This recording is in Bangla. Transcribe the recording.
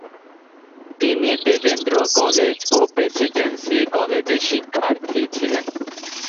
তিনি দেবেন্দ্র কলেজ ও প্রেসিডেন্সি কলেজের শিক্ষার্থী ছিলেন।